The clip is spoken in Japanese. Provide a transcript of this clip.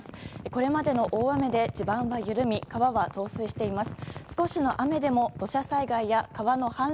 これまでの大雨で地盤は緩み川は増水しています。